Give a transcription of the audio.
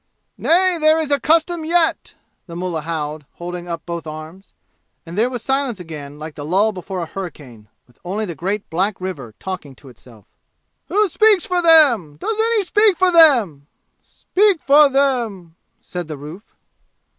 "Nay, there is a custom yet!" the mullah howled, holding up both arms. And there was silence again like the lull before a hurricane, with only the great black river talking to itself. "Who speaks for them? Does any speak for them?" "Speak for them?" said the roof.